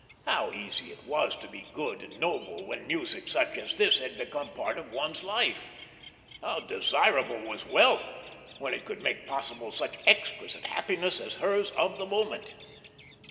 How easy it was to be good and noble when music such as this had become a part of one's life; how desirable was wealth when it could make possible such exquisite happiness as hers of the moment.